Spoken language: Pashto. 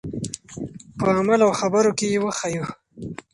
په عمل او خبرو کې یې وښیو.